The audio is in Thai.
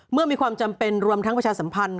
เมื่อมีความจำเป็นรวมทั้งประชาสัมพันธ์